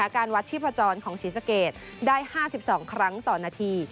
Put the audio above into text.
การวัดชีพจรของศรีสะเกดได้๕๒ครั้งต่อนาที